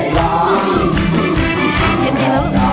ได้นะ